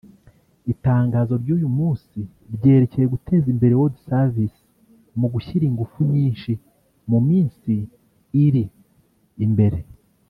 Itangazo ry’uyu musi ryerekeye guteza imbere World Service mu gushyira ingufu nyinshi mu minsi iri imbere